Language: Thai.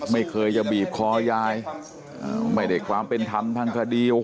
ไม่เคยจะบีบคอยายไม่ได้ความเป็นธรรมทางคดี